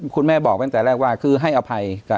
คุณแม่บอกตั้งแต่แรกว่าคือให้อภัย